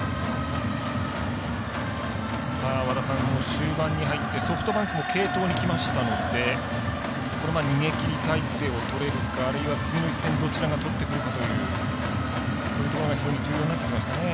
終盤に入って、ソフトバンクも継投にきましたのでこのまま逃げ切り体制をとれるかあるいは次の１点どちらが取ってくるかというそういうところが非常に重要になってきましたね。